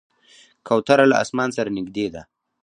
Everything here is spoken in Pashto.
کوتره له اسمان سره نږدې ده.